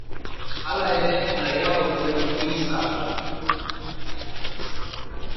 Hala ere, nahiago zuen Instagram.